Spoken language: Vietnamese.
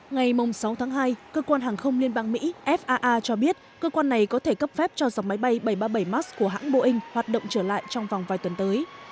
ngày mông sáu tháng hai cơ quan hàng không liên bang mỹ faa cho biết cơ quan này có thể cấp phép cho dòng máy bay bảy trăm ba mươi bảy max của hãng boeing hoạt động trở lại trong vòng vài tuần tới